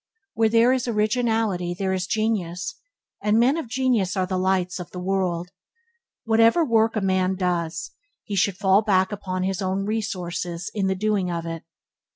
Where there is originality there is genius, and men of genius are the lights of the world. Whatever work a man does, he should fall back upon his own resources in the doing it.